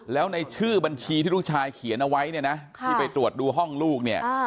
แล้วในชื่อบัญชีที่ลูกชายเขียนเอาไว้เนี่ยนะที่ไปตรวจดูห้องลูกเนี่ย